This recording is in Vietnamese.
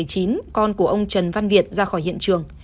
con của ông trần văn việt ra khỏi hiện trường